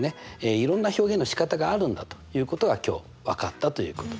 いろんな表現のしかたがあるんだということが今日分かったということです。